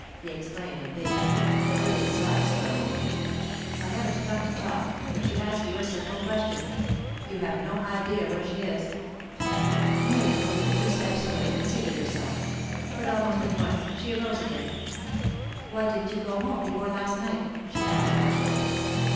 he exclaimed impatiently, averting his eyes for a moment. "I haven't come to talk, but to ask you a simple question. You have no idea where she is?" Miriam moved a few steps away and seated herself. But almost at once she arose again. "Why didn't you go home before last night?" she asked harshly.